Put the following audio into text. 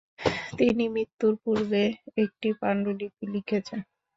তিনি মৃত্যুর পূর্বে একটি পাণ্ডুলিপি লিখে যান।